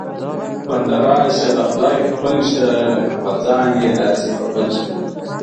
بنده راشه د خدای خپل شه، لکه په ځان یې داسې په بل شه